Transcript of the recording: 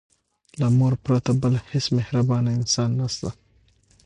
له مور پرته بل هيڅ مهربانه انسان نسته.